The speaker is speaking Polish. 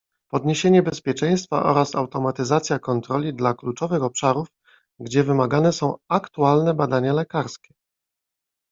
Podniesienie bezpieczeństwa oraz automatyzacja kontroli dla kluczowych obszarów, gdzie wymagane są aktualne badania lekarskie